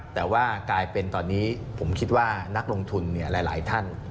แต่ว่ากลายเป็นตอนนี้ผมคิดว่านักลงทุนหลายท่าน